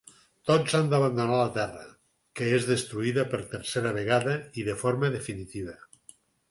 Tots han d'abandonar la terra, que és destruïda per tercera vegada i de forma definitiva.